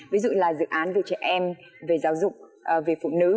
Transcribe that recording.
ví dụ là dự án về trẻ em về giáo dục về phụ nữ